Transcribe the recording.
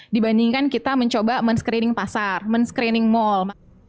dibandingkan kita mencoba men screening pasar men screening mall